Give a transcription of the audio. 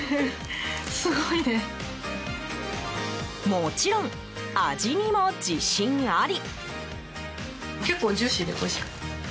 もちろん味にも自信あり。